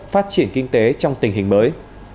phát triển kinh tế trong tình hình mới